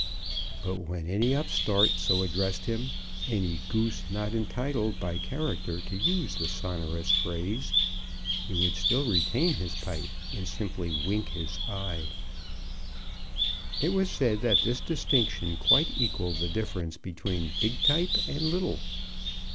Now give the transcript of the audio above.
But when any upstart so addressed him, any Goose not entitled by character to use the sonorous phrase, he would still retain his pipe, and simply wink his eye. It was said that this distinction quite equalled the difference between big type and little.